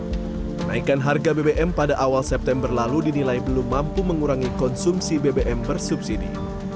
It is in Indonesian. kenaikan harga bbm pada awal september lalu dinilai belum mampu mengurangi konsumsi bbm bersubsidi